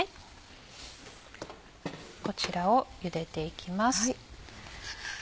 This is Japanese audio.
こちらをゆでていきます。